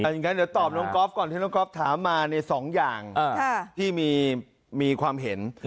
อย่างนั้นเดี๋ยวตอบน้องก๊อฟก่อนที่น้องก๊อฟถามมาในสองอย่างที่มีความเห็น